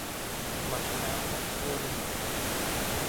Mặc áo rách dơ lưng